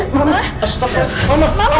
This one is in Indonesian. mama kenapa pak